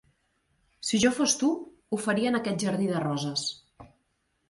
Si jo fos tu, ho faria en aquest jardí de roses.